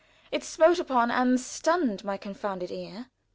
It smote upon and stunned my confounded ear.